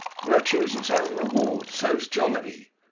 Virtue's its own reward. So's jollity.